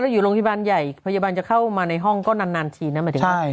อยู่โรงพยาบาลใหญ่พยาบาลจะเข้ามาในห้องก็นานทีนะหมายถึงว่า